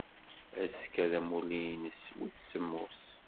Azekka d amulli-nnes wis semmus.